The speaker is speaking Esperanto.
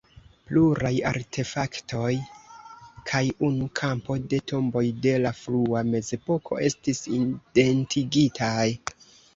Pluraj artefaktoj kaj unu kampo de tomboj de la frua mezepoko estis identigitaj.